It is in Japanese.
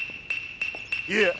いえ